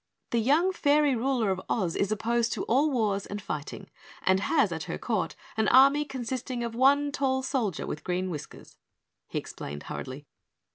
"The young fairy ruler of Oz is opposed to all wars and fighting and has at her court an army consisting of one tall soldier with green whiskers," he explained hurriedly.